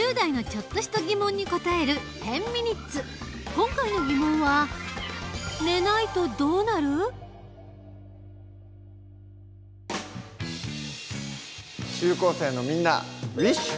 今回の疑問は中高生のみんなウィッシュ！